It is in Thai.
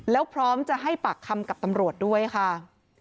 แล้วพร้อมจะให้ปากคำกับตำรวจด้วยค่ะ